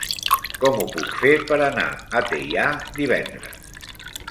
Com ho puc fer per anar a Teià divendres?